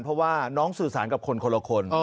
เพราะว่าน้องสื่อสารกับคนคนละคน